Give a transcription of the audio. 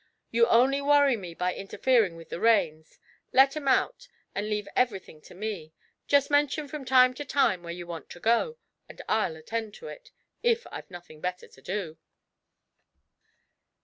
'You only worry me by interfering with the reins. Let 'em out, and leave everything to me. Just mention from time to time where you want to go, and I'll attend to it, if I've nothing better to do.'